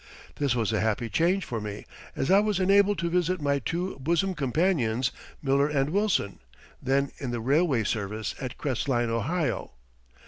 This was a happy change for me, as I was enabled to visit my two bosom companions, Miller and Wilson, then in the railway service at Crestline, Ohio.